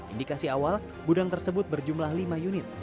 indikasi awal gudang tersebut berjumlah lima unit